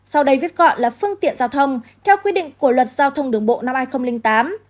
sau đây viết gọi là phương tiện giao thông theo quy định của luật giao thông đường bộ năm hai nghìn tám